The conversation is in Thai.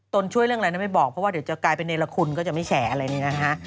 ช่วยเรื่องอะไรนะไม่บอกเพราะว่าเดี๋ยวจะกลายเป็นเนรคุณก็จะไม่แฉอะไรเนี่ยนะฮะ